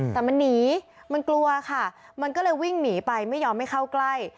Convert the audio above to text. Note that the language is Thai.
แต่มันหนีมันกลัวค่ะมันก็เลยวิ่งหนีไปไม่ยอมให้เข้าใกล้